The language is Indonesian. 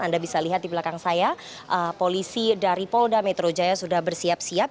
anda bisa lihat di belakang saya polisi dari polda metro jaya sudah bersiap siap